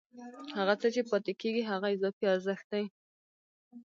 هغه څه چې پاتېږي هغه اضافي ارزښت دی